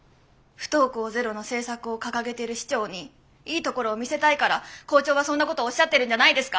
不登校ゼロの政策を掲げている市長にいいところを見せたいから校長はそんなことおっしゃってるんじゃないですか？